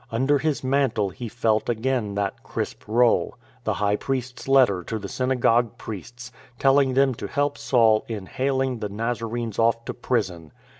Under his mantle he felt again that crisp roll — the High Priest's letter to the synagogue priests, telling them to help Saul in haling the Nazarenes off to prison.